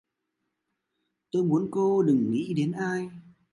Tôi muốn cô đừng nghĩ đến ai